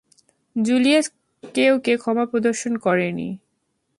Julius কেউকে ক্ষমা প্রদর্শন করেনি।